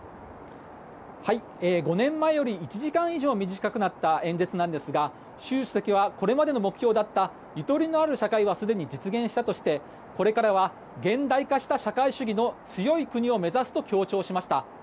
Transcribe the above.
５年前より１時間以上短くなった演説なんですが習主席はこれまでの目標だったゆとりのある社会はすでに実現したとしてこれからは現代化した社会主義の強い国を目指すと強調しました。